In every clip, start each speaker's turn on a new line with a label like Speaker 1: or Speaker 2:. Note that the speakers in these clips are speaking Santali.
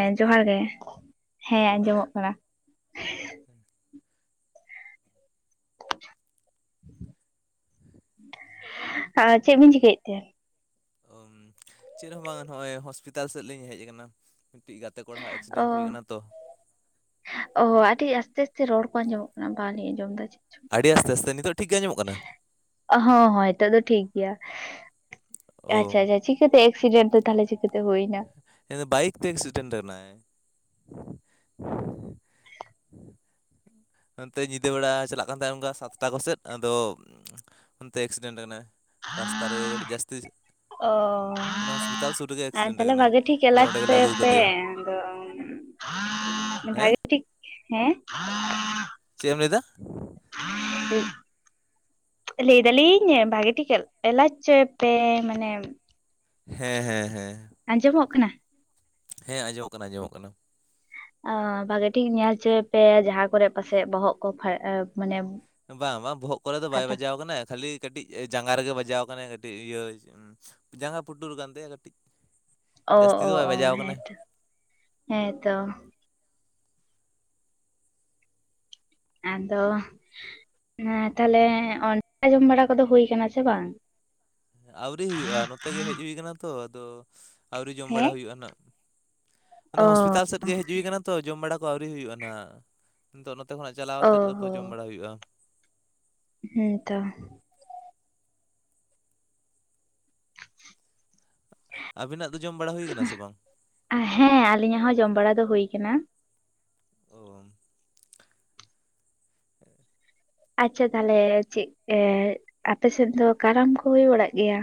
Speaker 1: ᱦᱮᱸ
Speaker 2: ᱠᱟᱱᱟ
Speaker 1: ᱡᱚᱦᱟᱨ ᱜᱮ ᱦᱮᱸ
Speaker 2: ᱡᱚᱦᱟᱨ ᱜᱮ
Speaker 1: ᱟᱸᱡᱚᱢᱚᱜ ᱠᱟᱱᱟ᱾
Speaker 2: [unintelligible]
Speaker 1: ᱟ ᱪᱮᱫ ᱵᱤᱱ ᱪᱤᱠᱟᱹᱭᱮᱫ ᱛᱮ?
Speaker 2: ᱪᱮᱫ ᱦᱚᱸ ᱵᱟᱝᱟ ᱱᱚᱜᱼᱚᱭ ᱦᱚᱥᱯᱤᱛᱟᱞ ᱥᱮᱫ ᱞᱤᱧ ᱦᱮᱡ ᱠᱟᱱᱟ᱾ ᱢᱤᱫᱴᱤᱡ ᱜᱟᱛᱮ ᱠᱚᱲᱟᱜ
Speaker 1: ᱚ
Speaker 2: ᱮᱠᱥᱤᱰᱮᱱ ᱦᱩᱭ ᱠᱟᱱᱟ ᱛᱚ ᱾
Speaker 1: ᱚ ᱟᱹᱰᱤ ᱟᱥᱛᱮ ᱟᱥᱛᱮ ᱨᱚᱲ ᱠᱚ ᱟᱸᱡᱚᱢᱚᱜ ᱠᱟᱱᱟ ᱵᱟᱞᱤᱧ ᱟᱸᱡᱚᱢ ᱫᱟ ᱪᱮᱫ ᱪᱚᱝ᱾
Speaker 2: ᱟᱹᱰᱤ ᱟᱥᱛᱮ ᱟᱥᱛᱮ ᱱᱤᱛᱳᱜ
Speaker 1: ᱦᱚᱸ ᱦᱚᱸ ᱦᱤᱛᱚᱜ ᱫᱚ ᱴᱷᱤᱠ ᱜᱮᱭᱟ
Speaker 2: ᱚ
Speaker 1: ᱟᱪᱪᱷᱟ ᱟᱪᱪᱷᱟ᱾ ᱪᱤᱠᱟᱹᱛᱮ ᱮᱠᱥᱤᱰᱮᱱᱴ ᱫᱚ ᱛᱟᱦᱞᱮ ᱪᱤᱠᱟᱹᱛᱮ ᱦᱳᱭᱱᱟ
Speaker 2: ᱵᱟᱭᱤᱠ ᱛᱮ ᱮᱠᱥᱤᱰᱮᱱᱴ ᱨᱮᱱᱟᱭ [inaudible]
Speaker 1: [inaudible]
Speaker 2: ᱱᱚᱱᱛᱮ ᱧᱤᱫᱟᱹ ᱵᱮᱲᱟ ᱪᱟᱞᱟᱜ ᱠᱟᱱ ᱛᱟᱦᱮᱫ ᱚᱱᱠᱟ ᱥᱟᱛᱴᱟ ᱠᱚᱥᱮᱫ ᱟᱫᱚ ᱚᱱᱛᱮ ᱮᱠᱥᱤᱰᱮᱱ ᱞᱮᱱᱟᱭ ᱨᱟᱥᱛᱟ ᱨᱮ ᱟᱹᱵᱤ ᱡᱟᱹᱥᱛᱤ ᱢᱟᱱᱮ ᱦᱚᱥᱯᱤᱴᱟᱞ ᱥᱩᱨ ᱨᱮᱜᱮ ᱮᱠᱥᱤᱰᱮᱱᱴ
Speaker 1: ᱛᱟᱦᱞᱮ
Speaker 2: ᱟᱠᱟᱱᱟᱭ
Speaker 1: ᱵᱷᱟᱜᱮ ᱴᱷᱤᱠ
Speaker 2: ᱟᱫᱚ
Speaker 1: ᱮᱞᱟᱪ
Speaker 2: ᱚᱸᱰᱮ ᱜᱮᱞᱮ
Speaker 1: ᱦᱚᱪᱚᱭ
Speaker 2: ᱟᱹᱜᱩ
Speaker 1: ᱯᱮ
Speaker 2: ᱟᱠᱟᱫᱮᱭᱟ
Speaker 1: ᱟᱫᱚ
Speaker 2: ᱦᱮᱸ
Speaker 1: ᱵᱷᱟᱜᱮ ᱴᱷᱤᱠ ᱦᱮᱸ
Speaker 2: ᱪᱮᱫ ᱮᱢ ᱞᱟᱹᱭᱫᱟ
Speaker 1: [unintelligible] ᱞᱟᱹᱭ ᱫᱟᱞᱤᱧ ᱵᱷᱟᱜᱮ ᱴᱷᱤᱠ ᱮᱞᱟᱪ ᱦᱚᱪᱚᱭᱮ ᱯᱮ ᱢᱟᱱᱮ
Speaker 2: ᱦᱮᱸ ᱦᱮᱸ ᱦᱮᱸ
Speaker 1: ᱟᱸᱡᱚᱢᱚᱜ ᱠᱟᱱᱟ
Speaker 2: ᱦᱮᱸ ᱟᱸᱡᱚᱢᱚᱜ ᱠᱟᱱᱟ ᱟᱸᱡᱚᱢᱚᱜ ᱠᱟᱱᱟ
Speaker 1: ᱚ ᱵᱷᱟᱜᱮ ᱴᱷᱤᱠ ᱧᱮᱞ ᱦᱚᱪᱚᱭ ᱯᱮ ᱡᱟᱦᱟᱸ ᱠᱚᱨᱮ ᱯᱟᱥᱮ ᱵᱚᱦᱚᱜ ᱠᱚ ᱯᱷᱟ ᱮ ᱢᱟᱱᱮ
Speaker 2: ᱵᱟᱝ ᱵᱟᱝ ᱵᱚᱦᱚᱜ ᱠᱚᱨᱮ ᱫᱚ ᱵᱟᱭ
Speaker 1: ᱯᱷᱟᱴᱟ
Speaker 2: ᱵᱟᱡᱟᱣ ᱠᱟᱱᱟᱭ ᱠᱷᱟᱞᱤ ᱠᱟᱹᱴᱤᱡ ᱡᱟᱸᱜᱟ ᱨᱮᱜᱮ ᱵᱟᱡᱟᱣ ᱠᱟᱱᱟᱭ ᱠᱟᱹᱴᱤᱡ ᱤᱭᱟᱹ ᱡᱟᱸᱜᱟ ᱯᱩᱴᱩᱨ ᱠᱟᱱ ᱛᱟᱭᱟ ᱠᱟᱹᱴᱤᱡ
Speaker 1: ᱚ
Speaker 2: ᱡᱟᱹᱥᱛᱤ
Speaker 1: ᱚ
Speaker 2: ᱫᱚ ᱵᱟᱭ
Speaker 1: ᱚ
Speaker 2: ᱵᱟᱡᱟᱣ ᱠᱟᱱᱟᱭ
Speaker 1: ᱦᱮᱸᱛᱚ ᱦᱮᱸᱛᱚ ᱟᱫᱚ ᱛᱟᱦᱚᱞᱮ ᱫᱟᱠᱟ ᱟᱸᱡᱚᱢ ᱵᱟᱲᱟ ᱠᱚᱫᱚ ᱦᱩᱭ ᱠᱟᱱᱟ ᱥᱮ ᱵᱟᱝ
Speaker 2: ᱟᱹᱣᱨᱤ ᱦᱩᱭᱩᱜᱼᱟ ᱱᱚᱛᱮ ᱜᱮ ᱦᱮᱡ ᱦᱩᱭ ᱠᱟᱱᱟ ᱛᱚ ᱟᱫᱚ ᱟᱹᱣᱨᱤ ᱡᱚᱢ ᱵᱟᱲᱟ
Speaker 1: ᱦᱮᱸ
Speaker 2: ᱦᱩᱭᱩᱜᱼᱟ ᱱᱟᱜ
Speaker 1: ᱚ
Speaker 2: ᱟᱫᱚ ᱦᱚᱥᱯᱤᱴᱟᱞ ᱥᱮᱫ ᱜᱮ ᱦᱤᱡᱩᱜ ᱦᱩᱭ ᱠᱟᱱᱟ ᱛᱚ ᱡᱚᱢ ᱵᱟᱲᱟ ᱠᱚ ᱟᱹᱣᱨᱤ ᱦᱩᱭᱩᱜᱼᱟ ᱱᱟᱦᱟᱜ ᱱᱤᱛᱚᱜ ᱱᱚᱛᱮ ᱠᱷᱚᱱᱟᱜ ᱪᱟᱞᱟᱣ
Speaker 1: ᱚ
Speaker 2: ᱠᱟᱛᱮ ᱛᱚ ᱡᱚᱢ ᱵᱟᱲᱟ ᱦᱩᱭᱩᱜᱼᱟ
Speaker 1: ᱦᱮᱸ ᱛᱚ
Speaker 2: ᱟᱵᱤᱱᱟᱜ ᱫᱚ ᱡᱚᱢ ᱵᱟᱲᱟ ᱦᱩᱭ ᱠᱟᱱᱟ ᱥᱮ ᱵᱟᱝ
Speaker 1: ᱦᱮᱸ ᱟᱞᱤᱧᱟᱜ ᱦᱚᱸ ᱡᱚᱢ ᱵᱟᱲᱟ ᱫᱚ ᱦᱳᱭ ᱠᱟᱱᱟ
Speaker 2: ᱚ
Speaker 1: ᱟᱪᱪᱷᱟ ᱛᱟᱦᱞᱮ ᱪᱮᱫ ᱟᱯᱮ ᱥᱮᱫ ᱫᱚ ᱠᱟᱨᱟᱢ ᱠᱚ ᱦᱩᱭ ᱵᱟᱲᱟᱜ ᱜᱮᱭᱟ?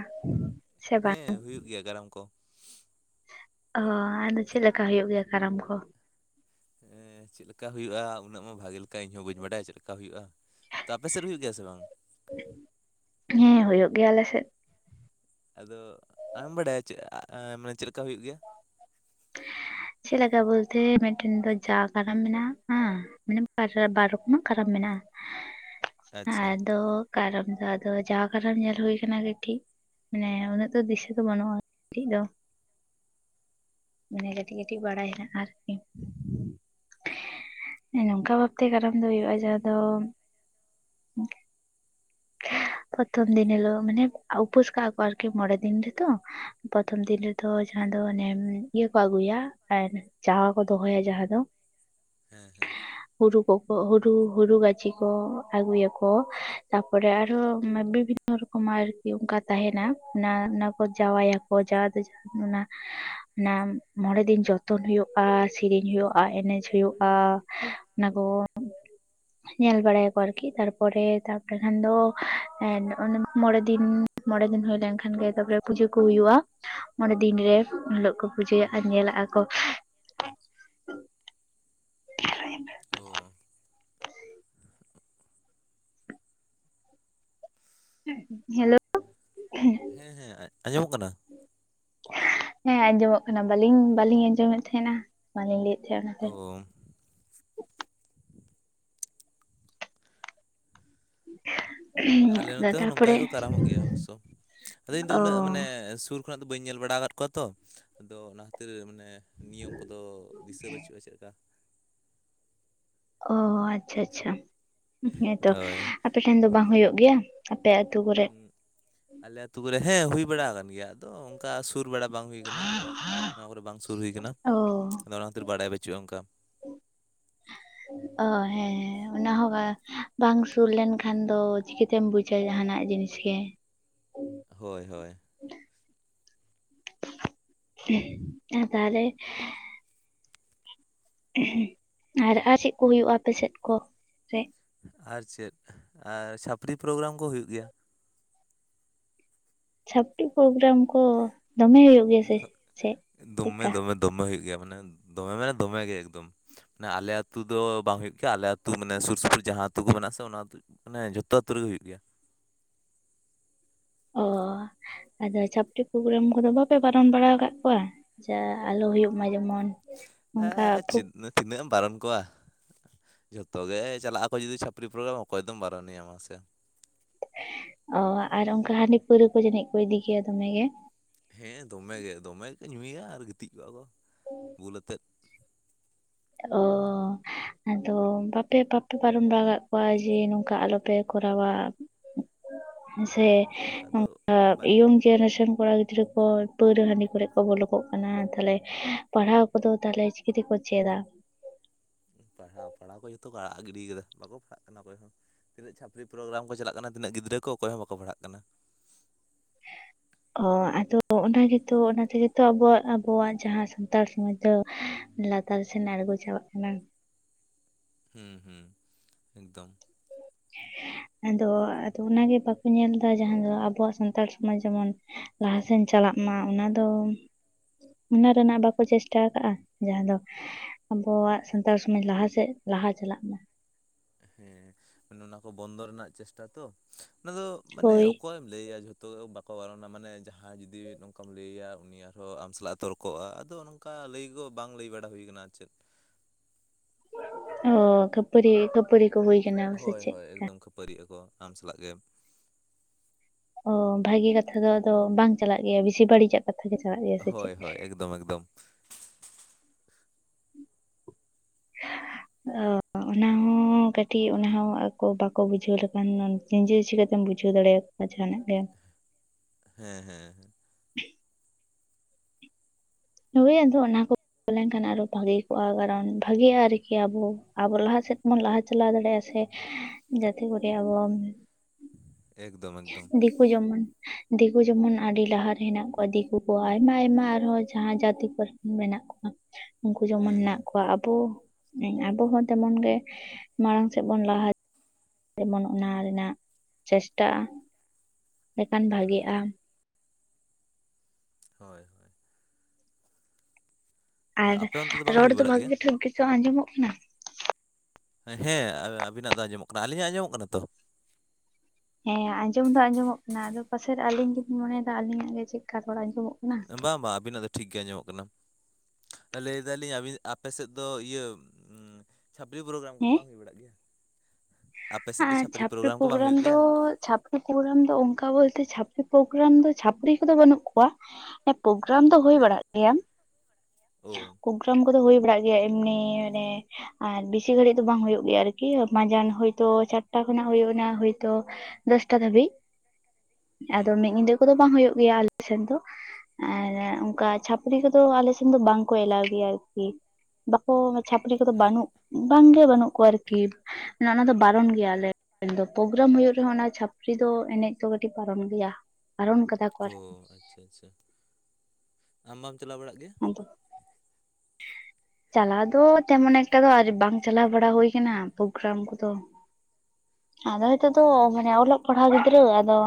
Speaker 1: ᱥᱮ ᱵᱟᱝ?
Speaker 2: ᱦᱮᱸ ᱦᱩᱭᱩᱜ ᱜᱮᱭᱟ ᱠᱟᱨᱟᱢ ᱠᱚ
Speaker 1: ᱚ ᱟᱫᱚ ᱪᱮᱫ ᱞᱮᱠᱟ ᱦᱩᱭᱩᱜ ᱜᱮᱭᱟ ᱠᱟᱨᱟᱢ ᱠᱚ
Speaker 2: ᱦᱮᱸ ᱪᱮᱫ ᱞᱮᱠᱟ ᱦᱩᱭᱩᱜᱼᱟ ᱩᱱᱟᱹᱜ ᱢᱟ ᱵᱷᱟᱜᱮ ᱞᱮᱠᱟ ᱤᱧ ᱢᱟ ᱵᱟᱹᱧ ᱵᱟᱰᱟᱭᱟ ᱪᱮᱫ ᱞᱮᱠᱟ ᱦᱩᱭᱩᱜᱼᱟ ᱛᱚ ᱟᱯᱮ ᱥᱮᱫ ᱦᱩᱭᱩᱜ ᱜᱮᱭᱟ ᱥᱮ ᱵᱟᱝ?
Speaker 1: ᱦᱮᱸ ᱦᱳᱭᱳᱜ ᱜᱮᱭᱟ ᱟᱞᱮ ᱥᱮᱫ
Speaker 2: ᱟᱫᱚ ᱟᱢᱮᱢ ᱵᱟᱰᱟᱭᱟ ᱪᱮᱫ ᱢᱟᱱᱮ ᱪᱮᱫ ᱞᱮᱠᱟ ᱦᱩᱭᱩᱜ ᱜᱮᱭᱟ?
Speaker 1: ᱪᱮᱫ ᱞᱮᱠᱟ ᱵᱚᱞᱛᱮ ᱢᱤᱫᱴᱮᱱ ᱫᱚ ᱡᱟ ᱠᱟᱨᱟᱢ ᱢᱮᱱᱟᱜᱼᱟ ᱢᱟᱱᱮ ᱵᱟᱨ ᱵᱟᱨ ᱨᱚᱠᱚᱢᱟᱜ ᱠᱟᱨᱟᱢ ᱢᱮᱱᱟᱜᱼᱟ
Speaker 2: ᱟᱪᱪᱷᱟ
Speaker 1: ᱟᱫᱚ ᱠᱟᱨᱟᱢ ᱫᱚ ᱟᱫᱚ ᱡᱟᱣᱟ ᱠᱟᱨᱟᱢ ᱧᱮᱞ ᱦᱩᱭ ᱠᱟᱱᱟ ᱠᱟᱹᱴᱤᱡ ᱢᱟᱱᱮ ᱩᱱᱟᱹᱜ ᱫᱚ ᱫᱤᱥᱟᱹ ᱫᱚ ᱵᱟᱹᱱᱩᱜᱼᱟ ᱠᱟᱹᱴᱤᱡ ᱫᱚ ᱢᱟᱱᱮ ᱠᱟᱹᱴᱤᱡ ᱠᱟᱹᱴᱤᱡ ᱵᱟᱲᱟᱭ ᱦᱮᱱᱟᱜᱼᱟ ᱟᱨᱠᱤ ᱱᱚᱝᱠᱟ ᱵᱷᱟᱵᱛᱮ ᱠᱟᱨᱟᱢ ᱫᱚ ᱦᱩᱭᱩᱜᱼᱟ ᱡᱟᱦᱟᱸ ᱫᱚ [unintelligible] ᱯᱨᱚᱛᱷᱚᱢ ᱫᱤᱱ ᱦᱤᱞᱳᱜ ᱢᱟᱱᱮ ᱩᱯᱟᱹᱥ ᱠᱟᱜ ᱟᱠᱚ ᱠᱚ ᱟᱨᱠᱤ ᱢᱚᱲᱮ ᱫᱤᱱ ᱨᱮ ᱛᱚ ᱯᱨᱚᱛᱷᱚᱢ ᱫᱤᱱ ᱨᱮ ᱛᱚ ᱡᱟᱦᱟᱸ ᱫᱚ ᱤᱭᱟᱹ ᱠᱚ ᱟᱹᱜᱩᱭᱟ ᱟᱨ ᱡᱟᱣᱟ ᱠᱚ ᱫᱚᱦᱚᱭᱟ ᱡᱟᱦᱟᱸ ᱫᱚ
Speaker 2: ᱦᱮᱸ ᱦᱮᱸ
Speaker 1: ᱦᱩᱨᱩ ᱠᱚᱠᱚ ᱦᱩᱨᱩ ᱦᱩᱨᱩ ᱜᱟᱹᱪᱷᱤ ᱠᱚ ᱟᱹᱜᱩᱭᱟᱠᱚ ᱛᱟᱯᱚᱨᱮ ᱟᱨᱦᱚᱸ ᱵᱤᱵᱷᱤᱱᱚ ᱨᱚᱠᱚᱢᱟᱜ ᱟᱨᱠᱤ ᱚᱱᱠᱟ ᱛᱟᱦᱮᱱᱟ ᱚᱱᱟ ᱚᱱᱟ ᱠᱚ ᱡᱟᱣᱟᱭᱟᱠᱚ ᱡᱟᱣ ᱫᱚ ᱚᱱᱟ ᱚᱱᱟ ᱢᱚᱬᱮ ᱫᱤᱱ ᱡᱚᱛᱚᱱ ᱦᱩᱭᱩᱜᱼᱟ ᱥᱮᱨᱮᱧ ᱦᱩᱭᱩᱜᱼᱟ ᱮᱱᱮᱡ ᱦᱩᱭᱩᱜᱼᱟ ᱚᱱᱟ ᱠᱚ ᱧᱮᱞ ᱵᱟᱲᱟᱭᱟᱠᱚ ᱟᱨᱠᱤ ᱛᱟᱨᱯᱚᱨᱮ ᱮᱰᱮ ᱠᱷᱟᱱ ᱫᱚ ᱮᱸᱫ ᱢᱚᱲᱮ ᱫᱤᱱ ᱢᱚᱲᱮ ᱫᱤᱱ ᱦᱩᱭ ᱞᱮᱱᱠᱷᱟᱱ ᱜᱮ ᱛᱟᱯᱚᱨᱮ ᱯᱩᱡᱟᱹ ᱠᱚ ᱦᱩᱭᱩᱜᱼᱟ ᱢᱳᱬᱮ ᱫᱤᱱ ᱨᱮ ᱩᱱᱦᱤᱞᱳᱜ ᱠᱚ ᱯᱩᱡᱟᱹᱭᱟ ᱟᱨ ᱧᱮᱞᱟᱜ ᱟᱠᱚ [unintelligible]
Speaker 2: ᱚᱻ
Speaker 1: ᱦᱮ ᱦᱮᱞᱳ ᱮᱸᱦᱮᱸ
Speaker 2: ᱦᱮᱸ ᱦᱮᱸ ᱟᱸᱡᱚᱢᱚᱜ ᱠᱟᱱᱟ
Speaker 1: ᱦᱮᱸ ᱟᱸᱡᱚᱢᱚᱜ ᱠᱟᱱᱟ ᱵᱟᱞᱤᱧ ᱵᱟᱞᱤᱧ ᱟᱸᱡᱚᱢᱮᱫ ᱛᱟᱦᱮᱸᱱᱟ, ᱵᱟᱞᱤᱧ ᱞᱟᱹᱭᱮᱫ ᱛᱟᱦᱮᱸ ᱱᱟ ᱚᱱᱟᱛᱮ
Speaker 2: ᱚ ᱟᱞᱮ
Speaker 1: ᱚᱱᱟᱛᱮ
Speaker 2: ᱱᱚᱱᱛᱮ ᱦᱚᱸ ᱱᱚᱝᱠᱟ
Speaker 1: ᱛᱟᱨᱯᱚᱨᱮ
Speaker 2: ᱜᱮᱠᱚ ᱠᱟᱨᱟᱢᱚᱜ ᱜᱮᱭᱟ ᱚᱵᱚᱥᱥᱚ, ᱟᱫᱚ ᱤᱧᱫᱚ
Speaker 1: ᱚ
Speaker 2: ᱩᱱᱟᱹᱜ ᱢᱟᱱᱮ ᱥᱩᱨᱼᱼ ᱠᱷᱚᱱᱟᱜ ᱫᱚ ᱵᱟᱹᱧ ᱧᱮᱞ ᱵᱟᱲᱟ ᱠᱟᱫ ᱠᱚᱣᱟ ᱛᱚ ᱟᱫᱚ ᱚᱱᱟ ᱠᱷᱟᱹᱛᱤᱨ ᱢᱟᱱᱮᱼᱼ ᱱᱤᱭᱚᱢ ᱠᱚᱫᱚ ᱫᱤᱥᱟᱹ ᱵᱟᱹᱪᱩᱜᱼᱟ ᱪᱮᱫ ᱠᱟ
Speaker 1: ᱚ ᱟᱪᱪᱷᱟ ᱟᱪᱪᱷᱟ ᱦᱮᱸᱛᱚ,
Speaker 2: ᱦᱳᱭ
Speaker 1: ᱟᱯᱮᱴᱷᱮᱱ ᱫᱚ ᱵᱟᱝ ᱦᱩᱭᱩᱜ ᱜᱮᱭᱟ? ᱟᱯᱮ ᱟᱹᱛᱩᱼᱼ
Speaker 2: ᱦᱩᱸ ᱟᱞᱮ ᱟᱛᱩ ᱠᱚᱨᱮ ᱦᱮᱸ ᱚᱱᱠᱟ ᱦᱩᱭ ᱵᱟᱲᱟ ᱠᱟᱱ ᱜᱮᱭᱟ ᱟᱫᱚ ᱚᱱᱠᱟ ᱥᱩᱨ ᱵᱟᱲᱟᱼᱼ ᱵᱟᱝ ᱦᱩᱭ ᱠᱟᱱᱟ ᱱᱚᱣᱟ ᱠᱚᱨᱮ ᱵᱟᱝ ᱥᱩᱨ ᱦᱩᱭ ᱠᱟᱱᱟ
Speaker 1: ᱚ
Speaker 2: ᱟᱫᱚ ᱚᱱᱟ ᱠᱷᱟᱹᱛᱤᱨ ᱵᱟᱲᱟᱭ ᱵᱟᱪᱩᱜᱼᱟ ᱚᱝᱠᱟ᱾
Speaker 1: ᱚ ᱦᱮᱸ ᱦᱮᱸ ᱚᱱᱟ ᱦᱚᱸ ᱵᱟ, ᱵᱟᱝ ᱥᱩᱨ ᱞᱮᱱᱠᱷᱟᱱ ᱫᱚ ᱪᱤᱠᱟᱹᱛᱮᱢ ᱵᱩᱡᱷᱟᱹᱣᱼᱼ ᱥᱮ ᱡᱟᱦᱟᱱᱟᱜ ᱡᱤᱱᱤᱥ ᱜᱮ
Speaker 2: ᱦᱳᱭ ᱦᱳᱭ
Speaker 1: ᱩᱸᱢ ᱟᱸ ᱛᱟᱦᱞᱮ ᱼᱼ ᱩᱸᱦᱩ ᱟᱨ ᱟᱨ ᱪᱮᱫ ᱠᱚ ᱦᱩᱭᱩᱜᱼᱟ ᱟᱯᱮᱥᱮᱫ ᱠᱚ ᱨᱮ?
Speaker 2: ᱟᱨ ᱪᱮᱫ ᱟᱨ ᱪᱷᱟᱹᱯᱨᱤ ᱯᱨᱳᱜᱨᱟᱢ ᱠᱚ ᱦᱩᱭᱩᱜ ᱜᱮᱭᱟ
Speaker 1: ᱪᱷᱟᱯᱨᱤ ᱯᱨᱳᱜᱨᱟᱢ ᱠᱚ ᱫᱚᱢᱮ ᱦᱩᱭᱩᱜ ᱜᱮᱭᱟ ᱥᱮ, ᱥᱮ ᱪᱮᱫᱠᱟ?
Speaker 2: ᱫᱚᱢᱮ ᱫᱚᱢᱮ ᱫᱚᱢᱮ ᱦᱩᱭᱩᱜ ᱜᱮᱭᱟ ᱢᱟᱱᱮ ᱫᱚᱢᱮ ᱢᱟᱱᱮ ᱫᱚᱢᱮ ᱜᱮ ᱮᱠᱫᱚᱢ ᱢᱟᱱᱮ ᱟᱞᱮ ᱟᱹᱛᱩ ᱫᱚ ᱵᱟᱝ ᱦᱩᱭᱩᱜ ᱜᱮᱭᱟ ᱟᱞᱮ ᱟᱹᱛᱩ ᱢᱟᱱᱮ ᱥᱩᱨ ᱥᱩᱯᱩᱨ ᱡᱟᱦᱟᱸ ᱟᱹᱛᱩ ᱠᱚ ᱢᱮᱱᱟᱜ ᱟᱥᱮ ᱚᱱᱟ ᱟᱹᱛᱩᱼᱼ ᱢᱟᱱᱮ ᱡᱚᱛᱚ ᱟᱛᱩ ᱨᱮᱜᱮ ᱦᱩᱭᱩᱜ ᱜᱮᱭᱟ
Speaker 1: ᱚᱻᱚ ᱟᱫᱚ ᱪᱷᱟᱯᱨᱤ ᱯᱨᱳᱜᱨᱟᱢ ᱠᱚᱫᱚ ᱵᱟᱯᱮ ᱵᱟᱨᱚᱱ ᱵᱟᱲᱟ ᱠᱟᱫ ᱠᱚᱣᱟ, ᱡᱟ ᱟᱞᱚ ᱦᱩᱭᱩᱜ ᱢᱟ ᱡᱮᱢᱚᱱ ᱚᱱᱠᱟ
Speaker 2: ᱟᱸ
Speaker 1: ᱯᱷᱩᱠ
Speaker 2: ᱪᱮᱫ ᱛᱤᱱᱟᱹᱜ ᱮᱢ ᱵᱟᱨᱚᱱ ᱠᱚᱣᱟ ᱡᱷᱚᱛᱚ ᱜᱮ ᱪᱟᱞᱟᱜᱼᱟ ᱠᱚ ᱡᱩᱫᱤ ᱪᱷᱟᱹᱯᱨᱤ ᱯᱨᱳᱜᱨᱟᱢ ᱚᱠᱚᱭ ᱫᱚᱢ ᱵᱟᱨᱚᱱᱮᱭᱟ ᱢᱟᱥᱮ
Speaker 1: ᱚ ᱟᱨ ᱚᱝᱠᱟ ᱦᱟᱺᱰᱤ ᱯᱟᱹᱣᱨᱟᱹ ᱠᱚ ᱡᱟᱹᱱᱤᱡ ᱠᱚ ᱤᱫᱤ ᱜᱮᱭᱟ ᱫᱚᱢᱮ ᱜᱮ?
Speaker 2: ᱦᱮᱸ ᱫᱚᱢᱮ ᱜᱮ, ᱫᱚᱢᱮ ᱠᱚ ᱧᱩᱭᱟ ᱟᱨ ᱜᱤᱛᱤᱡ ᱠᱚᱜᱼᱟ ᱠᱚ ᱵᱩᱞᱟᱛᱮᱫ
Speaker 1: ᱚᱻᱚ ᱟᱫᱚ ᱵᱟᱯᱮ ᱵᱟᱯᱮ ᱵᱟᱨᱚᱱ ᱵᱟᱲᱟ ᱠᱟᱜ ᱠᱚᱣᱟ ᱡᱮ ᱱᱚᱝᱠᱟ ᱟᱞᱚᱯᱮ ᱠᱚᱨᱟᱣᱟ ᱥᱮ
Speaker 2: ᱩᱸ ᱚᱱᱠᱟ ᱫᱚ
Speaker 1: ᱱᱚᱝᱠᱟ
Speaker 2: ᱵᱟᱞ
Speaker 1: ᱤᱭᱚᱝ ᱡᱮᱱᱟᱨᱮᱥᱚᱱ ᱠᱚᱲᱟ ᱜᱤᱫᱽᱨᱟᱹ ᱠᱚ ᱯᱟᱹᱣᱨᱟᱹ ᱦᱟᱺᱰᱤ ᱠᱚᱨᱮᱜ ᱠᱚ ᱵᱚᱞᱚ ᱠᱚᱜ ᱠᱟᱱᱟ ᱛᱟᱞᱦᱮ ᱪᱮᱫᱼᱼ ᱯᱟᱲᱦᱟᱣ ᱠᱚᱫᱚ ᱛᱟᱦᱞᱮ ᱪᱤᱠᱟᱹ ᱛᱮᱠᱚ ᱪᱮᱫᱟ?
Speaker 2: ᱯᱟᱲᱦᱟᱣ ᱯᱟᱲᱦᱟᱣ ᱠᱚ ᱡᱚᱛᱚ ᱠᱚ ᱟᱲᱟᱜ ᱜᱤᱰᱤ ᱠᱟᱫᱟ ᱵᱟᱠᱚ ᱯᱟᱲᱦᱟᱜ ᱠᱟᱱᱟ ᱚᱠᱚᱭ ᱦᱚᱸ ᱛᱤᱱᱟᱹ ᱪᱷᱟᱯᱨᱤ ᱯᱨᱳᱜᱨᱟᱢ ᱠᱚ ᱪᱟᱞᱟᱜ ᱠᱟᱱᱟ ᱛᱤᱱᱟᱹᱜ ᱜᱤᱫᱽᱨᱟᱹ ᱠᱚ ᱚᱠᱚᱭ ᱦᱚᱸ ᱵᱟᱠᱚ ᱯᱟᱲᱦᱟᱜ ᱠᱟᱱᱟ
Speaker 1: [inaudible] ᱚ ᱟᱫᱚ ᱚᱱᱟ ᱜᱮᱛᱚ ᱚᱱᱟ ᱛᱮᱜᱮ ᱛᱚ ᱟᱵᱚᱣᱟᱜ ᱟᱵᱚᱣᱟᱜ ᱡᱟᱦᱟᱸ ᱥᱟᱱᱛᱟᱲ ᱥᱚᱢᱟᱡᱽ ᱫᱚᱼᱼ ᱞᱟᱛᱟᱨ ᱥᱮᱱ ᱟᱬᱜᱚ ᱪᱟᱵᱟᱜ ᱠᱟᱱᱟ
Speaker 2: ᱦᱩᱸ ᱦᱩᱸ ᱮᱠᱫᱚᱢ
Speaker 1: [inaudible] ᱟᱫᱚ ᱟᱫᱚ ᱚᱱᱟᱜᱮ ᱵᱟᱠᱚ ᱧᱮᱞ ᱫᱟ ᱡᱟᱦᱟᱸ ᱫᱚ ᱟᱵᱚᱣᱟᱜ ᱥᱟᱱᱛᱟᱲ ᱥᱚᱢᱟᱡᱽ ᱡᱚᱢᱚᱱᱼᱼ ᱞᱟᱦᱟᱥᱮᱱ ᱪᱟᱞᱟᱜ ᱢᱟ ᱚᱱᱟ ᱫᱚᱼᱼ ᱚᱱᱟ ᱨᱮᱱᱟᱜ ᱵᱟᱠᱚ ᱪᱮᱥᱴᱟ ᱠᱟᱜᱼᱟ ᱡᱟᱦᱟᱸ ᱫᱚᱼᱼ ᱟᱵᱚᱣᱟᱜ ᱥᱟᱱᱛᱟᱲ ᱥᱚᱢᱟᱡᱽ ᱞᱟᱦᱟ ᱥᱮᱫ ᱞᱟᱦᱟ ᱪᱟᱞᱟᱜ ᱢᱟ
Speaker 2: ᱦᱮᱸ ᱢᱟᱱᱮ ᱚᱱᱟ ᱠᱚ ᱵᱚᱱᱫᱚ ᱨᱮᱱᱟᱜ ᱪᱮᱥᱴᱟ ᱛᱚ, ᱚᱱᱟ ᱫᱚ ᱢᱟᱱᱮ
Speaker 1: ᱦᱳᱭ
Speaker 2: ᱚᱠᱚᱭᱮᱢ ᱞᱟᱹᱭᱟᱭᱟ ᱡᱚᱛᱚᱼᱼ ᱛᱚ ᱵᱟᱠᱚ ᱵᱟᱨᱚᱱᱟ ᱢᱟᱱᱮ ᱡᱟᱦᱟᱸᱭ ᱡᱩᱫᱤ ᱱᱚᱝᱠᱟᱢ ᱞᱟᱹᱭᱟᱭᱟ ᱩᱱᱤ ᱟᱨᱦᱚᱸ ᱟᱢ ᱥᱟᱞᱟᱜ ᱛᱚᱨᱠᱚᱜᱼᱟ ᱟᱫᱚ ᱱᱚᱝᱼᱼ ᱠᱟ ᱞᱟᱹᱭ ᱠᱚ ᱵᱟᱝ ᱞᱟᱹᱭ ᱵᱟᱲᱟ ᱦᱩᱭᱠᱟᱱᱟ ᱟᱨ ᱪᱮᱫ
Speaker 1: ᱚ ᱠᱷᱟᱹᱯᱟᱹᱨᱤ ᱠᱷᱟᱹᱯᱟᱹᱨᱤ ᱠᱚ ᱦᱩᱭᱼᱼ
Speaker 2: ᱦᱳᱭ ᱦᱳᱭ ᱮᱠᱫᱚᱢ ᱠᱷᱟᱹᱯᱟᱹᱨᱤᱜ ᱟᱠᱚ ᱟᱢ ᱥᱟᱞᱟᱜ ᱜᱮ
Speaker 1: ᱚ ᱵᱷᱟᱜᱤ ᱠᱟᱛᱷᱟ ᱫᱚ ᱟᱫᱚ ᱵᱟᱝ ᱪᱟᱞᱟᱜ ᱜᱮᱭᱟ ᱵᱤᱥᱤ ᱵᱟᱹᱲᱤᱡᱟᱜ ᱠᱟᱛᱷᱟ ᱜᱮ ᱪᱟᱞᱟᱜ ᱜᱮᱭᱟ ᱥᱮ
Speaker 2: ᱦᱳᱭ
Speaker 1: ᱪᱮᱫ?
Speaker 2: ᱦᱳᱭ ᱮᱠᱫᱚᱢ ᱮᱠᱫᱚᱢ
Speaker 1: ᱚᱻᱚ ᱚᱱᱟ ᱦᱚᱸ ᱠᱟᱹᱴᱤᱡ ᱚᱱᱟ ᱦᱚᱸ ᱟᱠᱚ ᱵᱟᱠᱚ ᱵᱩᱡᱷᱟᱹᱣ ᱞᱮᱠᱷᱟᱱ ᱱᱤᱡᱮ ᱪᱤᱠᱟᱹ ᱛᱮᱢ ᱵᱩᱡᱷᱟᱹᱣ ᱫᱟᱲᱮ ᱟ ᱡᱟᱦᱟᱱᱟᱜ ᱜᱮ
Speaker 2: ᱦᱮᱸ ᱦᱮᱸ ᱦᱮ
Speaker 1: ᱦᱳᱭ ᱟᱫᱚ ᱚᱱᱟ ᱠᱚ ᱞᱮᱝ ᱠᱷᱟᱱ ᱟᱨᱚ ᱵᱷᱟᱹᱜᱤ ᱠᱚᱜᱼᱟ ᱠᱟᱨᱚᱱ ᱵᱷᱟᱜᱤᱼᱟ ᱟᱨᱠᱤ ᱟᱵᱚ ᱟᱵᱚ ᱞᱟᱦᱟ ᱥᱮᱫ ᱵᱚᱱ ᱞᱟᱦᱟ ᱪᱟᱞᱟᱣ ᱫᱟᱲᱮᱭᱟᱜᱼᱟ ᱥᱮ ᱡᱟᱛᱮ ᱠᱚᱨᱮ ᱟᱵᱚᱱ
Speaker 2: ᱮᱠᱫᱚᱢ ᱮᱠᱫᱚᱢ
Speaker 1: ᱠᱩ ᱡᱮᱢᱚᱱ ᱫᱤᱠᱩ ᱡᱮᱢᱚᱱ ᱟᱹᱰᱤ ᱞᱟᱦᱟ ᱨᱮ ᱦᱮᱱᱟᱜ ᱠᱚᱣᱟ ᱫᱤᱠᱩ ᱠᱚ ᱟᱭᱢᱟ ᱟᱭᱢᱟ ᱟᱨᱦᱚ ᱡᱟᱦᱟ ᱡᱟᱛᱤ ᱠᱚᱨᱮ ᱢᱮᱱᱟᱜ ᱠᱚᱣᱟ ᱩᱱᱠᱩ ᱡᱮᱢᱚᱱ
Speaker 2: ᱦᱮᱸ
Speaker 1: ᱱᱟᱜ
Speaker 2: ᱦᱮᱸ
Speaker 1: ᱠᱚᱣᱟ ᱟᱵᱚ ᱦᱩᱸ ᱟᱵᱚ ᱦᱚᱸ ᱛᱮᱢᱚᱱ ᱜᱮ ᱢᱟᱲᱟᱝ ᱥᱮᱫ ᱵᱚᱱ ᱞᱟᱦᱟ ᱡᱮᱢᱚᱱ ᱚᱱᱟ ᱨᱮᱱᱟᱜ ᱪᱮᱥᱴᱟᱜᱼᱟ ᱞᱮᱠᱷᱟᱱ
Speaker 2: ᱦᱩᱸ
Speaker 1: ᱵᱷᱟᱜᱤᱜᱼᱟ
Speaker 2: ᱦᱳᱭ ᱦᱳᱭ
Speaker 1: ᱟᱨ
Speaker 2: ᱟᱯᱮ ᱚᱱᱛᱮ ᱵᱟᱝ ᱦᱩᱭ
Speaker 1: ᱨᱚᱲ ᱫᱚ
Speaker 2: ᱵᱟᱲᱟᱜ ᱜᱮᱭᱟ
Speaker 1: ᱵᱷᱟᱜᱤ ᱴᱷᱤᱠ ᱜᱮᱪᱚ ᱟᱡᱚᱢᱚᱜ ᱠᱟᱱᱟ
Speaker 2: ᱦᱮ ᱟᱨ ᱟᱵᱤᱱᱟᱜ ᱫᱚ ᱟᱸᱡᱚᱢᱚᱜ ᱠᱟᱱᱟ ᱟᱹᱞᱤᱧᱟᱜ ᱟᱸᱡᱚᱢᱚᱜ ᱠᱟᱱᱟ ᱛᱚ
Speaker 1: ᱦᱮ ᱟᱸᱡᱚᱢ ᱫᱚ ᱟᱸᱡᱚᱢᱚᱜ ᱠᱟᱱᱟ ᱟᱫᱚ ᱯᱟᱥᱮᱫ ᱟᱞᱤᱧ ᱜᱮᱞᱤᱧ ᱢᱚᱱᱮᱫᱟ ᱟᱞᱤᱧᱟᱜ ᱜᱮ ᱪᱮᱫᱠᱟ ᱨᱚᱲ ᱟᱸᱡᱚᱢᱚᱜ ᱠᱟᱱᱟ
Speaker 2: ᱵᱟ ᱵᱟ ᱟᱵᱤᱱᱟ ᱴᱷᱤᱠ ᱜᱮ ᱟᱡᱚᱢᱚᱜ ᱠᱟᱱᱟ ᱞᱟᱹᱭ ᱫᱟᱞᱤᱧ ᱟᱵᱤᱱ ᱟᱯᱮ ᱥᱮᱫ ᱫᱚ ᱤᱭᱟᱹ ᱪᱷᱟᱯᱨᱤ ᱯᱨᱳᱜᱨᱟᱢ ᱠᱚᱫᱚ
Speaker 1: ᱦᱮᱸ
Speaker 2: ᱵᱟᱝ ᱦᱩᱭ ᱵᱟᱲᱟᱜ ᱜᱮᱭᱟ ᱟᱯᱮ ᱥᱮᱫ ᱫᱚ
Speaker 1: ᱟᱨ
Speaker 2: ᱪᱷᱟᱹᱯᱨᱤ
Speaker 1: ᱪᱷᱟᱯᱨᱤ
Speaker 2: ᱯᱨᱳᱜᱨᱟᱢ ᱠᱚ ᱵᱟᱝ
Speaker 1: ᱯᱨᱳᱜᱽᱨᱟᱢ
Speaker 2: ᱦᱩᱭᱩᱜ
Speaker 1: ᱫᱚ
Speaker 2: ᱜᱮᱭᱟ?
Speaker 1: ᱪᱷᱟᱯ ᱯᱳᱜᱽᱨᱟᱢ ᱫᱚ ᱚᱝᱠᱟ ᱵᱚᱞᱛᱮ ᱪᱷᱟᱯᱨᱤ ᱯᱨᱳᱜᱨᱟᱢ ᱫᱚ ᱪᱷᱟᱹᱯᱨᱤ ᱠᱚᱫᱚ ᱵᱟᱹᱱᱩᱜ ᱠᱚᱣᱟ ᱯᱨᱳᱽᱨᱟᱢ ᱫᱚ ᱦᱳᱭ
Speaker 2: ᱦᱮᱸ
Speaker 1: ᱵᱟᱲᱟᱜ ᱜᱮᱭᱟ
Speaker 2: ᱚ
Speaker 1: ᱯᱳᱜᱽᱨᱟᱢ ᱠᱚᱫᱚ ᱦᱩᱭ ᱵᱟᱲᱟᱜ ᱜᱮᱭᱟ ᱮᱢᱱᱤ ᱚᱱᱮ ᱟᱨ ᱵᱮᱥᱤ ᱜᱷᱟᱹᱲᱤᱡ ᱫᱚ ᱵᱟᱝ ᱦᱩᱭᱩᱜ ᱜᱮᱭᱟ ᱟᱨᱠᱤ ᱢᱟᱡᱟᱱ ᱦᱳᱭ ᱛᱚ ᱪᱟᱨᱴᱟ ᱠᱷᱚᱱᱟᱜ ᱦᱩᱭᱩᱜ ᱱᱟᱜ ᱦᱳᱭᱛᱳ ᱫᱚᱥᱴᱟ ᱫᱷᱟᱹᱵᱤᱡ ᱟᱫᱚ
Speaker 2: ᱦᱩᱸ
Speaker 1: ᱢᱤᱫ ᱧᱤᱫᱟᱹ ᱠᱚᱫᱚ ᱵᱟᱝ ᱦᱩᱭᱩᱜ ᱜᱮᱭᱟ ᱟᱞᱮ ᱥᱮᱱ ᱫᱚ ᱟᱨ ᱚᱝᱠᱟ ᱪᱷᱟᱹᱯᱨᱤ ᱠᱚᱫᱚ ᱟᱞᱮ ᱥᱮᱱ ᱫᱚ ᱵᱟᱝᱠᱚ ᱮᱞᱟᱣ ᱜᱮᱭᱟ ᱟᱨᱠᱤ ᱵᱟᱠᱚ ᱪᱷᱟᱯᱨᱤ ᱠᱚᱫᱚ
Speaker 2: ᱟᱡ
Speaker 1: ᱵᱟᱹᱱᱩᱜ ᱵᱟᱝᱜᱮ ᱵᱟᱹᱱᱩᱜ ᱠᱚᱣᱟ ᱟᱨᱠᱤ ᱚᱱᱟ ᱫᱚ ᱵᱟᱨᱚᱱ ᱜᱮᱭᱟ ᱟᱞᱮ ᱥᱮᱱ ᱫᱚ ᱯᱨᱳᱽᱨᱟᱢ ᱦᱩᱭᱩᱜ ᱨᱮᱦᱚ ᱚᱱᱟ ᱪᱷᱟᱹᱯᱨᱤ ᱫᱚ ᱮᱱᱮᱡ ᱫᱚ ᱠᱟᱹᱴᱤᱡ ᱵᱟᱨᱚᱱ ᱜᱮᱭᱟ ᱵᱟᱨᱚᱱ ᱠᱟᱛᱟ
Speaker 2: ᱚ ᱟᱪᱪᱷᱟ ᱟᱪᱪᱷᱟ ᱟᱢ ᱵᱟᱢ ᱪᱟᱞᱟᱣ ᱵᱟᱲᱟᱜ ᱜᱮᱭᱟ
Speaker 1: ᱟᱫᱚ ᱪᱟᱞᱟᱣ ᱫᱚ ᱛᱮᱢᱚᱱ ᱮᱠᱴᱟ ᱫᱚ ᱟᱨ ᱵᱟᱝ ᱪᱟᱞᱟᱣ ᱵᱟᱲᱟ ᱦᱩᱭ ᱠᱟᱱᱟ ᱯᱨᱳᱜᱨᱟᱢ ᱠᱚᱫᱚ ᱟᱫᱚ ᱱᱤᱛᱚᱜ ᱫᱚ
Speaker 2: ᱚ
Speaker 1: ᱢᱟᱱᱮ ᱚᱞᱚᱜ ᱯᱟᱲᱦᱟᱣ ᱜᱤᱫᱽᱨᱟᱹ ᱟᱫᱚ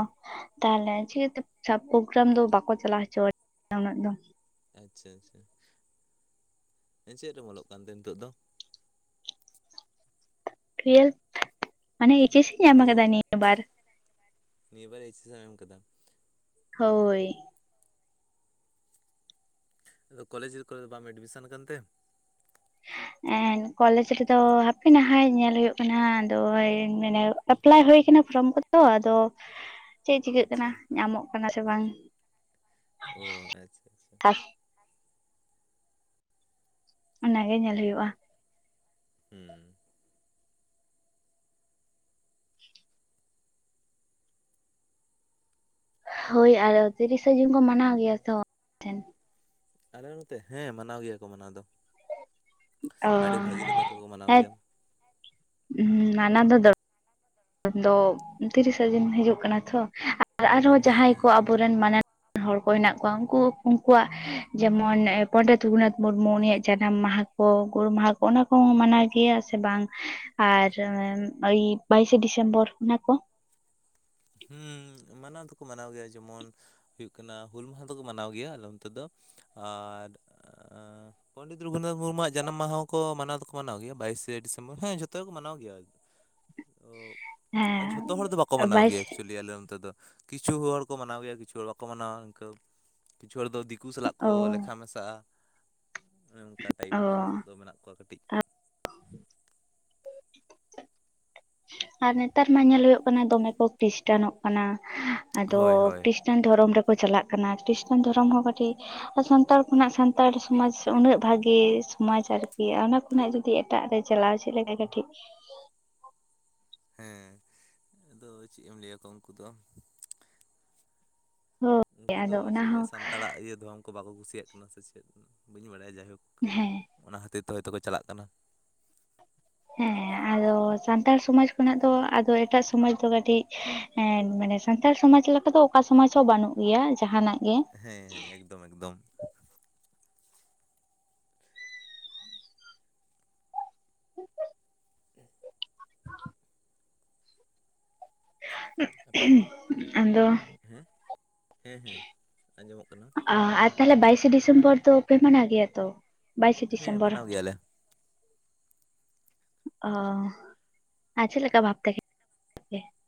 Speaker 1: ᱛᱟᱦᱞᱮ [unintelligible] ᱫᱚ ᱵᱟᱠᱚ ᱪᱟᱞᱟᱣ ᱦᱚᱪᱚ [inaudible] ᱩᱱᱟᱹᱜ ᱫᱚ
Speaker 2: ᱟᱪᱪᱷᱟ ᱟᱪᱪᱷᱟ ᱪᱮᱫ ᱨᱮ ᱚᱞᱚᱜ ᱠᱟᱱ ᱛᱮ ᱱᱤᱛᱳᱜ ᱫᱚ
Speaker 1: ᱴᱩᱭᱮᱞ ᱢᱟᱱᱮ ᱤᱪᱮᱥ ᱤᱧ ᱮᱢ ᱠᱟᱫᱟ
Speaker 2: ᱚ
Speaker 1: ᱱᱤᱭᱟᱹ ᱵᱟᱨ
Speaker 2: ᱱᱤᱭᱟᱹ ᱵᱟᱨ ᱤᱪᱮᱥ ᱮᱢ ᱠᱟᱫᱟ
Speaker 1: ᱦᱳᱭ
Speaker 2: ᱟᱫᱚ ᱠᱚᱞᱮᱡᱽ ᱠᱚᱨᱮ ᱫᱚ ᱵᱟᱢ ᱮᱰᱢᱤᱥᱚᱱ ᱠᱟᱱ ᱛᱮ
Speaker 1: ᱠᱚᱞᱮᱡ ᱨᱮᱫᱚ ᱦᱟᱯᱮ ᱱᱟᱦᱟᱭ ᱧᱮᱞ ᱦᱩᱭᱩᱜ ᱠᱟᱱᱟ ᱟᱫᱚ ᱱᱚᱜᱚᱭ ᱢᱟ ᱮᱯᱞᱟᱭ ᱦᱩᱭ ᱠᱟᱱᱟ ᱯᱷᱨᱚᱢ ᱠᱚᱫᱚ ᱟᱫᱚ ᱪᱮᱫ ᱪᱤᱠᱟᱹᱜ ᱠᱟᱱᱟ
Speaker 2: ᱟᱪᱪᱷᱟ
Speaker 1: ᱧᱟᱢᱚᱜ ᱠᱟᱱᱟ ᱥᱮ ᱵᱟᱝ
Speaker 2: ᱚ ᱟᱪᱪᱷᱟ ᱟᱪᱪᱷᱟ
Speaker 1: ᱚᱱᱟᱜᱮ ᱧᱮᱞ ᱦᱩᱭᱩᱜᱼᱟ
Speaker 2: ᱦᱩ
Speaker 1: ᱦᱳᱭ ᱟᱨ ᱛᱤᱨᱤᱥᱟ ᱡᱩᱱ ᱠᱚ ᱢᱟᱱᱟᱣ ᱜᱮᱭᱟ ᱛᱚ ᱴᱷᱮᱱ
Speaker 2: ᱟᱞᱮ ᱱᱚᱛᱮ ᱦᱮᱸ ᱢᱟᱱᱟᱣ ᱜᱮᱭᱟ ᱠᱚ ᱢᱟᱱᱟᱣ ᱫᱚ
Speaker 1: ᱚ
Speaker 2: ᱟᱹᱰᱤ ᱵᱷᱟᱹᱜᱤ ᱞᱮᱠᱟ ᱛᱮᱠᱚ ᱢᱟᱱᱟᱣ ᱜᱮᱭᱟ
Speaker 1: ᱦᱩ ᱢᱟᱱᱟᱣ ᱫᱚ ᱫᱚᱨ ᱫᱚ ᱛᱤᱨᱤᱥᱟ ᱡᱩᱱ ᱦᱤᱡᱩᱜ ᱠᱟᱱᱟ ᱛᱚ ᱟᱨ ᱟᱨᱦᱚᱸ
Speaker 2: ᱦᱮᱸ
Speaker 1: ᱡᱟᱦᱟᱸᱭ
Speaker 2: ᱦᱮᱸ
Speaker 1: ᱠᱚ ᱟᱵᱚᱨᱮᱱ ᱢᱟᱱᱮ ᱦᱚᱲ ᱠᱚ ᱦᱮᱱᱟᱜ ᱠᱚᱣᱟ ᱩᱱᱠᱩ ᱩᱱᱠᱩᱣᱟᱜ ᱡᱮᱢᱚᱱ ᱯᱚᱱᱰᱤᱛ ᱨᱟᱹᱜᱷᱩᱱᱟᱛᱷ ᱢᱩᱨᱢᱩ ᱩᱱᱤᱭᱟᱜ ᱡᱟᱱᱟᱢ ᱢᱟᱦᱟ [unintelligible] ᱜᱩᱨ ᱢᱟᱦᱟ ᱠᱚ ᱚᱱᱟ ᱠᱚᱸ ᱢᱟᱱᱟᱣ ᱜᱮᱭᱟ ᱥᱮ ᱵᱟᱝ ᱟᱨ ᱟᱭ ᱯᱟᱤᱯ? [unintelligible] ᱰᱤᱥᱮᱢᱵᱚᱨ ᱚᱱᱟ ᱠᱚ?
Speaker 2: ᱦᱮᱸ ᱢᱟᱱᱟᱣ ᱫᱚᱠᱚ ᱢᱟᱱᱟᱣ ᱜᱮᱭᱟ ᱡᱮᱢᱚᱱ ᱦᱩᱭᱩᱜ ᱠᱟᱱᱟ ᱦᱩᱞ ᱢᱟᱦᱟ ᱫᱚᱠᱚ ᱢᱟᱱᱟᱣ ᱜᱮᱭᱟ ᱟᱞᱮ ᱚᱱᱛᱮ ᱫᱚ ᱟᱨ ᱯᱚᱱᱰᱤᱛ ᱨᱚᱜᱷᱩᱱᱟᱛᱷ ᱢᱩᱨᱢᱩᱣᱟᱜ ᱡᱟᱱᱟᱢ ᱢᱟᱦᱟ ᱠᱚ ᱢᱟᱱᱟᱣ ᱫᱚ ᱢᱟᱱᱟᱣ ᱜᱮᱭᱟ ᱵᱟᱭᱤᱥᱮ ᱰᱤᱥᱮᱢᱵᱚᱨ ᱦᱮᱸ ᱡᱚᱛᱚ ᱜᱮᱠᱚ ᱢᱟᱱᱟᱣ ᱜᱮᱭᱟ ᱟᱨ ᱚᱜ ᱡᱷᱚᱛᱚ ᱦᱚᱲ ᱫᱚ ᱵᱟᱠᱚ
Speaker 1: ᱦᱮᱸ
Speaker 2: ᱢᱟᱱᱟᱣ
Speaker 1: ᱵᱟᱭᱤᱥ
Speaker 2: ᱜᱮᱭᱟ ᱞᱟᱹᱭ ᱟᱞᱮ ᱚᱱᱛᱮ ᱫᱚ ᱠᱤᱪᱷᱩ ᱦᱚᱲ ᱠᱚ ᱢᱟᱱᱟᱣ ᱜᱮᱭᱟ ᱠᱤᱪᱷᱩ ᱦᱚᱲ ᱵᱟᱠᱚ ᱢᱟᱱᱟᱣᱟ ᱤᱱᱠᱟᱹ ᱠᱤᱪᱷᱩ ᱦᱚᱲ ᱫᱚ ᱫᱤᱠᱩ ᱥᱟᱞᱟᱜ
Speaker 1: ᱚ
Speaker 2: ᱠᱚ ᱞᱮᱠᱷᱟ ᱢᱮᱥᱟᱜᱼᱟ ᱚᱱᱮ ᱚᱱᱠᱟ
Speaker 1: ᱚ
Speaker 2: ᱴᱟᱭᱤᱯ ᱟᱞᱮᱥᱮᱫ ᱫᱚ ᱢᱮᱱᱟᱜ ᱠᱚᱣᱟ ᱠᱟᱹᱴᱤᱡ
Speaker 1: ᱟᱨ ᱱᱮᱛᱟᱨ ᱢᱟ ᱧᱮᱞᱳ ᱠᱟᱱᱟ ᱫᱚᱢᱮ ᱠᱚ ᱠᱷᱨᱤᱥᱴᱟᱱᱚᱜ ᱠᱟᱱᱟ ᱟᱫᱚ
Speaker 2: ᱦᱳᱭ
Speaker 1: ᱠᱤᱥ
Speaker 2: ᱦᱳᱭ
Speaker 1: ᱠᱷᱨᱤᱥᱴᱟᱱ ᱫᱷᱚᱨᱚᱢ ᱨᱮᱠᱚ ᱪᱟᱞᱟᱜ ᱠᱟᱱᱟ ᱠᱷᱨᱤᱥᱴᱟᱱ ᱫᱷᱚᱨᱚᱢ ᱦᱚᱸ ᱠᱟᱹᱴᱤᱡ ᱥᱟᱱᱛᱟᱲ ᱠᱷᱚᱱᱟᱜ ᱥᱟᱱᱛᱟᱲ ᱥᱚᱢᱟᱡᱽ ᱩᱱᱟᱹᱜ ᱵᱷᱟᱹᱜᱤ ᱥᱚᱢᱟᱡᱽ ᱟᱨᱠᱤ ᱚᱱᱟ ᱱᱟᱜ ᱡᱩᱫᱤ ᱮᱴᱟᱜ ᱨᱮ ᱪᱟᱞᱟᱣ ᱪᱮᱫ ᱞᱮᱠᱟ ᱠᱟᱹᱴᱤᱡ
Speaker 2: ᱦᱮᱸ ᱟᱫᱚ ᱪᱮᱫ ᱮᱢ ᱞᱟᱹᱭᱟᱠᱚᱣᱟ ᱩᱱᱠᱩ ᱫᱚ ᱩᱱᱠᱩ
Speaker 1: ᱟᱫᱚ
Speaker 2: ᱫᱚ
Speaker 1: ᱚᱱᱟ
Speaker 2: ᱪᱮᱫ
Speaker 1: ᱦᱚᱸ
Speaker 2: ᱥᱟᱱᱛᱟᱲ ᱥᱛᱟᱲᱟᱜ ᱤᱭᱟᱹ ᱫᱷᱚᱨᱚᱢ ᱠᱚ ᱵᱟᱠᱚ ᱠᱩᱥᱤᱭᱟᱜ ᱠᱟᱱᱟ ᱥᱮ ᱪᱮᱫ ᱵᱟᱹᱧ ᱵᱟᱲᱟᱭᱟ ᱡᱟᱭᱦᱳᱠ
Speaker 1: ᱦᱮᱸ
Speaker 2: ᱚᱱᱟ ᱠᱷᱟᱹᱛᱤᱨ ᱛᱮ ᱛᱳᱭᱛᱚᱠᱚ ᱪᱟᱞᱟᱜ ᱠᱟᱱᱟ
Speaker 1: ᱦᱮᱸ ᱟᱫᱚ ᱥᱟᱱᱛᱟᱲ ᱥᱚᱢᱟᱡ ᱠᱷᱚᱱᱟᱜ ᱫᱚ ᱟᱫᱚ ᱮᱴᱟᱜ ᱥᱚᱢᱟᱡ ᱫᱚ ᱠᱟᱹᱴᱤᱡ ᱦᱮᱸ ᱢᱟᱱᱮ ᱥᱟᱱᱛᱟᱲ ᱥᱚᱢᱟᱡ ᱞᱮᱠᱟ ᱫᱚ ᱚᱠᱟ ᱥᱚᱢᱟᱡ ᱦᱚᱸ ᱵᱟᱹᱱᱩᱜ ᱜᱮᱭᱟ ᱡᱟᱦᱟᱱᱟᱜ ᱜᱮ
Speaker 2: ᱦᱮᱸ ᱦᱮᱸ ᱮᱠᱫᱚᱢ ᱮᱠᱫᱚᱢ
Speaker 1: [inaudible]
Speaker 2: [inaudible]
Speaker 1: [inaudible]
Speaker 2: ᱟᱯᱮ
Speaker 1: [inaudible] ᱟᱫᱚ
Speaker 2: ᱦᱮᱸ ᱦᱮᱸ ᱦᱮᱸ ᱟᱸᱡᱚᱢᱚᱜ ᱠᱟᱱᱟ
Speaker 1: ᱟᱨ ᱛᱟᱦᱚᱞᱮ ᱵᱟᱭᱤᱥᱮ ᱰᱤᱥᱮᱢᱵᱚᱨ ᱫᱚ ᱯᱮ ᱢᱟᱱᱟ ᱜᱮᱭᱟ ᱛᱚ ᱵᱟᱭᱤᱥᱮ
Speaker 2: ᱦᱮᱸ
Speaker 1: ᱰᱤᱥᱮᱢᱵᱚᱨ?
Speaker 2: ᱢᱟᱱᱟᱣ ᱜᱮᱭᱟᱞᱮ
Speaker 1: ᱚ ᱟ ᱪᱮᱞᱮᱠᱟ ᱵᱷᱵᱛᱮ ᱦᱩ?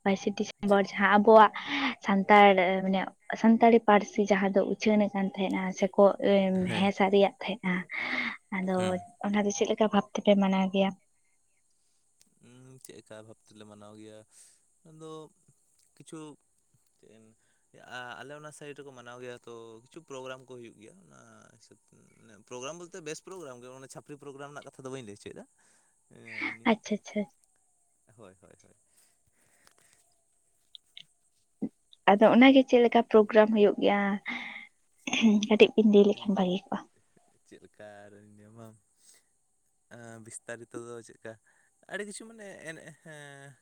Speaker 1: ᱵᱟᱭᱤᱥᱮ
Speaker 2: ᱪᱮᱫ
Speaker 1: ᱰᱤᱥᱮᱢᱵᱚᱨ ᱡᱟᱦᱟᱸ ᱟᱵᱚᱣᱟᱜ ᱥᱟᱱᱛᱟᱲ ᱢᱟᱱᱮ ᱥᱟᱱᱛᱟᱲᱤ ᱯᱟᱹᱨᱥᱤ ᱡᱟᱦᱟᱸ ᱫᱚ ᱩᱪᱷᱟᱹᱱ ᱟᱠᱟᱱ ᱛᱟᱦᱮᱸᱫᱱᱟ ᱥᱮ ᱠᱚ ᱦᱮᱸ ᱥᱟᱨᱤᱭᱟᱜ ᱛᱟᱦᱮᱸᱫ ᱟᱫᱚ
Speaker 2: ᱦᱩᱸ
Speaker 1: ᱚᱱᱟ ᱫᱚ ᱪᱮᱫ ᱞᱮᱠᱟ ᱵᱷᱟᱵ ᱛᱮᱯᱮ ᱢᱟᱱᱟᱣ ᱜᱮᱭᱟ?
Speaker 2: ᱪᱮᱫ ᱞᱮᱠᱟ ᱵᱷᱟᱵᱽ ᱛᱮᱞᱮ ᱢᱟᱱᱟᱣ ᱜᱮᱭᱟ ᱟᱫᱚ ᱠᱤᱪᱷᱩ? ᱛᱤᱱ ᱟᱞᱮ ᱚᱱᱟ ᱥᱟᱭᱤᱰ ᱨᱮᱠᱚ ᱢᱟᱱᱟᱣ ᱜᱮᱭᱟ ᱛᱚ ᱠᱤᱪᱷᱩ ᱯᱨᱳᱜᱨᱟᱢ ᱠᱚ ᱦᱩᱭᱩᱜ ᱜᱮᱭᱟ ᱚᱱᱟ ᱦᱤᱥᱟᱹᱵ ᱛᱮ ᱯᱨᱳᱜᱨᱟᱢ ᱵᱚᱞᱛᱮ ᱵᱮᱥ ᱯᱨᱳᱜᱨᱟᱢ ᱜᱮ ᱪᱷᱟᱯᱨᱤ ᱯᱨᱳᱜᱨᱟᱢ ᱨᱮᱱᱟᱜ ᱠᱟᱛᱷᱟ ᱫᱚ ᱵᱟᱹᱧ ᱞᱟᱹᱭ ᱦᱚᱪᱚᱭᱮᱫᱟ ᱮᱢᱱᱤ
Speaker 1: ᱟᱪᱷᱟ
Speaker 2: ᱦᱳᱭ ᱦᱳᱭ ᱦᱳᱭ
Speaker 1: ᱟᱫᱚ ᱚᱱᱟᱜᱮ ᱪᱮᱫ ᱞᱮᱠᱟ ᱯᱨᱳᱜᱨᱟᱢ ᱦᱩᱭᱩᱜ ᱜᱮᱭᱟ ᱠᱟᱹᱴᱤᱡ ᱵᱤᱱ ᱞᱟᱹᱭ ᱞᱮᱠᱷᱟᱱ ᱵᱷᱟᱹᱜᱤ ᱠᱚᱜᱼᱟ?
Speaker 2: ᱪᱮᱫ ᱞᱮᱠᱟ ᱟᱨ ᱧᱟᱢᱟᱢ ᱵᱤᱥᱛᱟᱨᱤᱛᱚ ᱫᱚ ᱪᱮᱫᱠᱟ? ᱟᱹᱰᱤ ᱠᱤᱪᱷᱩ ᱢᱟᱱᱮ ᱮᱱᱮᱡ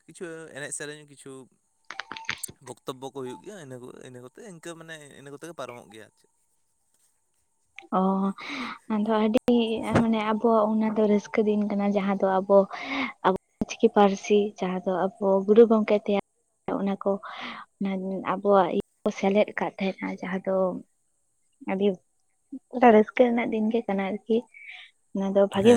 Speaker 2: ᱠᱤᱪᱷᱩ ᱮᱱᱮᱡ ᱥᱮᱨᱮᱧ ᱠᱤᱪᱷᱩ ᱵᱚᱠᱛᱚᱵᱽᱵᱚ ᱠᱚ ᱦᱩᱭᱩᱜ ᱜᱮᱭᱟ ᱤᱱᱟᱹ ᱠᱚ ᱤᱱᱟᱹ ᱠᱚᱛᱮ ᱤᱱᱠᱟᱹ ᱢᱟᱱᱮ ᱤᱱᱟᱹ ᱠᱚᱛᱮᱜ ᱜᱮ ᱯᱟᱨᱚᱢᱚᱜ ᱜᱮᱭᱟ ᱟᱨ ᱪᱮᱫ
Speaker 1: ᱚ ᱟᱫᱚ ᱟᱹᱰᱤ ᱢᱟᱱᱮ ᱟᱵᱚᱣᱟᱜ ᱚᱱᱟ ᱫᱚ ᱨᱟᱹᱥᱠᱟᱹ ᱫᱤᱱ ᱠᱟᱱᱟ ᱡᱟᱦᱟᱸ ᱫᱚ ᱟᱵᱚ ᱚᱞᱪᱤᱠᱤ ᱯᱟᱹᱨᱥᱤ ᱡᱟᱦᱟᱸ ᱫᱚ ᱟᱵᱚ ᱜᱩᱨᱩ ᱜᱚᱝᱠᱮ ᱛᱮᱭᱟᱨ ᱚᱱᱟ ᱠᱚ ᱟᱵᱚᱣᱟᱜ ᱤᱭᱟᱹ ᱠᱚ ᱥᱮᱞᱮᱫ ᱟᱠᱟᱫ ᱛᱟᱦᱮᱸᱱᱟ ᱡᱟᱦᱟᱸ ᱫᱚ ᱟᱹᱰᱤ ᱟ ᱨᱟᱹᱥᱠᱟᱹ ᱨᱮᱱᱟᱜ ᱫᱤᱱ ᱜᱮ ᱠᱟᱱᱟ ᱟᱨᱠᱤ ᱚᱱᱟ ᱫᱚ
Speaker 2: ᱦᱮᱸ
Speaker 1: ᱵᱷᱟᱜᱤ ᱵᱷ